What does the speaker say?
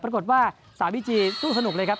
ปรากฏว่าสาวบีจีสู้สนุกเลยครับ